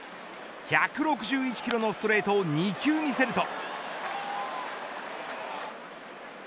１６１キロのストレートを２球見せると。